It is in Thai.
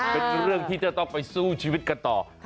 เป็นเรื่องที่จะต้องไปสู้ชีวิตกันต่อ